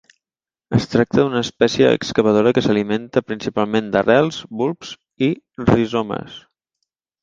Es tracta d'una espècie excavadora que s'alimenta principalment d'arrels, bulbs i rizomes.